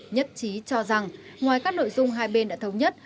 nhất trí cho rằng ngoài các nội dung hai bên đã thống nhất